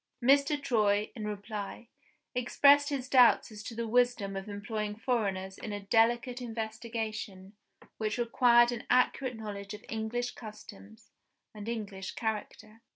Mr. Troy, in reply, expressed his doubts as to the wisdom of employing foreigners in a delicate investigation which required an accurate knowledge of English customs and English character.